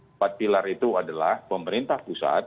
empat pilar itu adalah pemerintah pusat